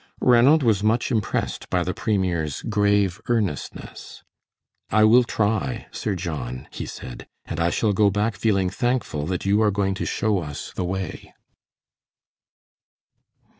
Ranald was much impressed by the premier's grave earnestness. "I will try, Sir John," he said, "and I shall go back feeling thankful that you are going to show us the way."